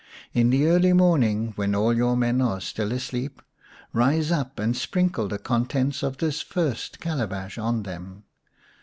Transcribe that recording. In the early morning, when all your men are still asleep, rise up and sprinkle the contents of this first calabash on them.